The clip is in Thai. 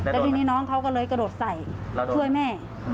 แล้วทีนี้น้องเขาก็เลยกระโดดใส่ช่วยแม่